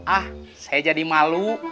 ah saya jadi malu